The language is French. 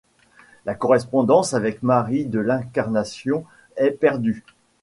La correspondance avec Marie de l'Incarnation est perdue.